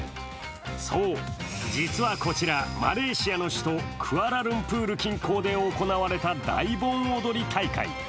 そう、実はこちら、マレーシアの首都クアラルンプール近郊で行われた大盆踊り大会。